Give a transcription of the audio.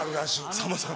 さんまさん